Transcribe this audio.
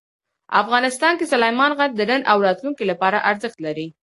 افغانستان کې سلیمان غر د نن او راتلونکي لپاره ارزښت لري.